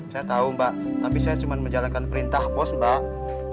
saya tahu mbak tapi saya cuma menjalankan perintah pos mbak